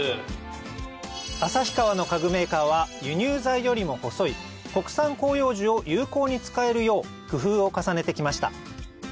旭川の家具メーカーは輸入材よりも細い国産広葉樹を有効に使えるよう工夫を重ねてきました